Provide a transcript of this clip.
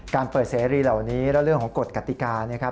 การเปิดเสรีเหล่านี้แล้วเรื่องของกฎกติกานะครับ